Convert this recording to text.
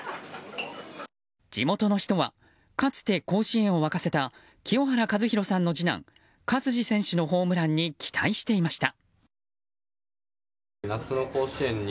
地元の人はかつて甲子園を沸かせた清原和博さんの次男勝児選手のホームランに期待していました。